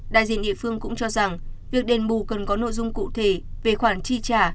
đại diện địa phương cũng cho rằng việc đền bù cần có nội dung cụ thể về khoản chi trả